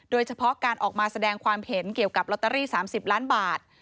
โดยเฉพาะการออกมาแสดงความเห็นเกี่ยวกับลอตเตอรี่๓๐ล้านบาท